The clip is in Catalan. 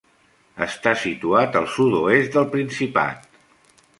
Està situat al sud-oest del Principat.